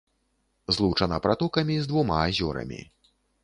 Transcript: Злучана пратокамі з двума азёрамі.